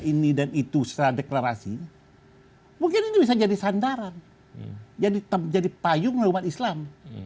ini dan itu sedekat rasing mungkin bisa jadi sandaran jadi tetsubaya payung umat islam